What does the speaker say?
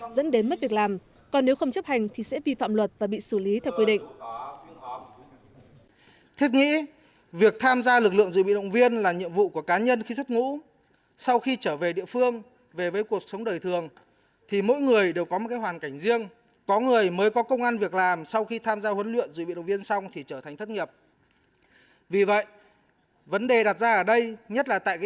dẫn đến mất việc làm còn nếu không chấp hành thì sẽ vi phạm luật và bị xử lý theo quy định